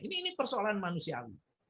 ini persoalan manusiawi